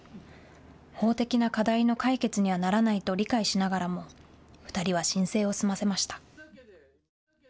法的な課題の解決にはならないと理解しながらも２人は申請を済ませました。